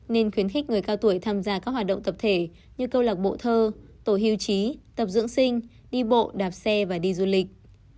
nên khuyến khích người cao tuổi tham gia các hoạt động tập thể như câu lạc bộ thơ tổ hưu trí tập dưỡng sinh đi bộ đạp xe và đi du lịch